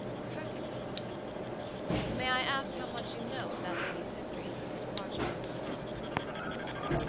"Perfectly." "May I ask how much you know of that lady's history since her departure from your house?"